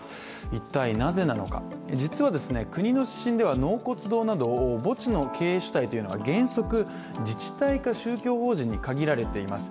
一体なぜなのか実は国の指針では納骨堂など墓地の経営主体というのは原則自治体か宗教法人に限られています。